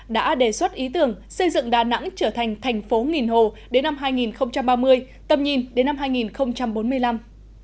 đã đề xuất ý tưởng xây dựng đà nẵng trở thành thành phố nghìn hồ đến năm hai nghìn ba mươi tầm nhìn đến năm hai nghìn bốn mươi năm